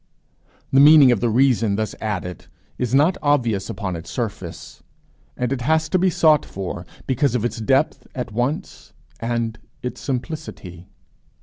The meaning of the reason thus added is not obvious upon its surface. It has to be sought for because of its depth at once and its simplicity.